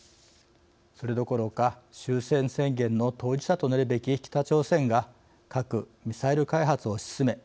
それどころか終戦宣言の当事者となるべき北朝鮮が核・ミサイル開発を推し進め